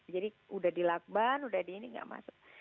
jadi udah dilakban udah di ini nggak masuk